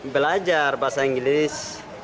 belajar bahasa inggris